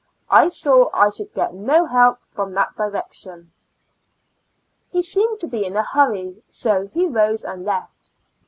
I saw I should get no help from that direction. He seemed to be in a hurry, so he rose and left.